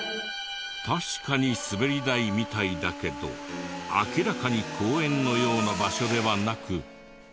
確かにスベリ台みたいだけど明らかに公園のような場所ではなく。